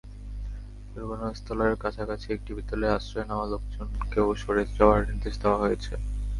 দুর্ঘটনাস্থলের কাছাকাছি একটি বিদ্যালয়ে আশ্রয় নেওয়া লোকজনকেও সরে যাওয়ার নির্দেশ দেওয়া হয়েছে।